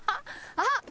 あっ！